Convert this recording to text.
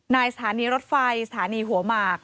สถานีรถไฟสถานีหัวหมาก